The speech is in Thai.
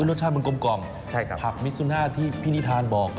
รสชาติมันกลมผักมิสุน่าที่พี่นิทานบอก